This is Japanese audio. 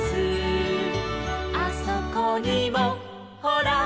「あそこにもほら」